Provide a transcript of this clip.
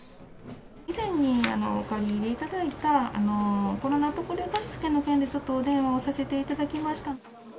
以前にお借り入れいただいたコロナ特例貸付の件でちょっとお電話をさせていただきました。